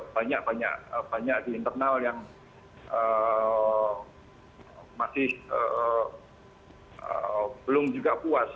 banyak banyak di internal yang masih belum juga puas